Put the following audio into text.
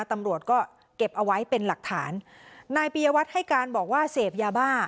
ตำรวจก็เก็บเอาไว้เป็นหลักฐานนายปียวัตรให้การบอกว่าเสพยาบ้า